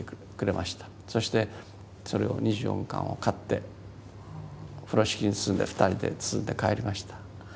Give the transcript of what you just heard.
そしてそれを２４巻を買って風呂敷に包んで２人で包んで帰りました。